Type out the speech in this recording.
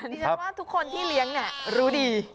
ดิฉันว่าทุกคนที่เลี้ยงเนี่ยรู้ดี